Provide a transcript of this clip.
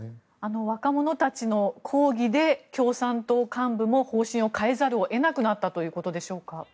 若者たちの抗議で共産党幹部も方針を変えざるを得なくなったということでしょうか。